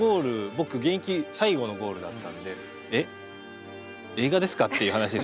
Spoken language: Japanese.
僕現役最後のゴールだったんでえ映画ですかっていう話ですよ。